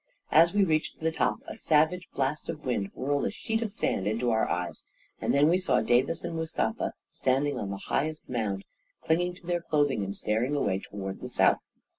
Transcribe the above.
As we reached the top, a savage blast of wind whirled a sheet of sand into our eyes; and then we saw Davis and Mustafa standing on the highest mound, clinging to their clothing and staring away toward the south.